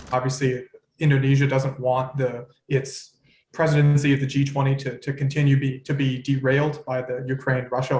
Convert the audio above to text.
tentu saja indonesia tidak ingin presidensi g dua puluh itu terus dihantar oleh ukraina rusia